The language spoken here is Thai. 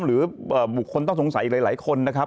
หรือบุคคลต้องสงสัยหลายคนนะครับ